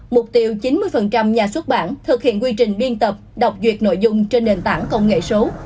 mục tiêu chín mươi nhà xuất bản thực hiện quy trình biên tập đọc duyệt nội dung trên nền tảng công nghệ số